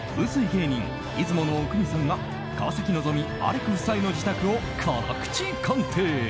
芸人・出雲阿国さんが川崎希、アレク夫妻の自宅を辛口鑑定。